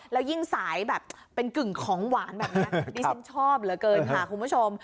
แล้วยิ่งสายแบบเป็นกึ่งของหวานแบบนี้ดิฉันชอบเหลือเกินค่ะคุณผู้ชม